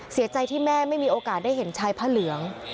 เสียใจที่แม่ไม่มีโอกาสได้เห็นชายผ้าเหลือง